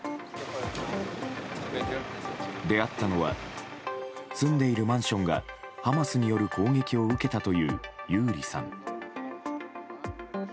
出会ったのは住んでいるマンションがハマスによる攻撃を受けたというユーリさん。